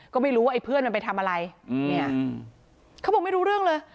ก็ไม่รู้ว่าไอ้เพื่อนมันไปทำอะไรเนี่ยเขาบอกไม่รู้เรื่องเลย